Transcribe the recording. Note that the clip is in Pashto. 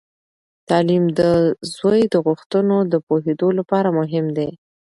تعلیم د زوی د غوښتنو د پوهیدو لپاره مهم دی.